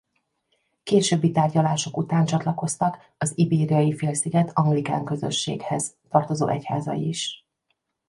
Későbbi tárgyalások után csatlakoztak az Ibériai-félsziget Anglikán Közösséghez tartozó egyházai is.